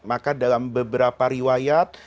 maka dalam beberapa riwayat